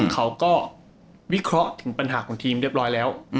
เขาก็วิเคราะห์ถึงปัญหาของทีมเรียบร้อยแล้ว